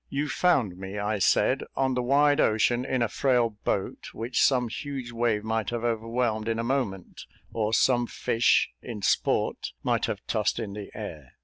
"You found me," I said, "on the wide ocean, in a frail boat, which some huge wave might have overwhelmed in a moment, or some fish, in sport, might have tossed in the air.